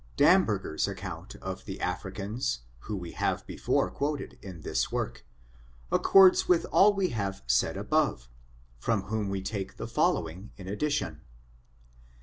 Bamberger's account of the Africans, who we have before quoted in this work, accords with all we have said above, from whom we take the following in ad dition.